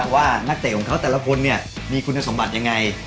ว่านักเตะของเขาแต่ละคนเนี่ยมีคุณสมบัติยังไง